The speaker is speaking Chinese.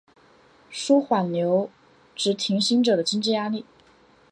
纾缓留职停薪者的经济压力